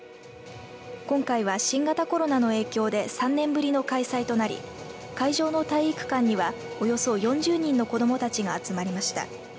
今回は新型コロナの影響で３年ぶりの開催となり会場の体育館にはおよそ４０人の子どもたちが集まりました。